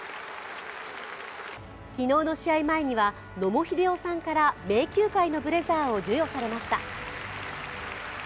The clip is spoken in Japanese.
昨日の試合前には、野茂英雄さんから名球会のブレザーを授与されました。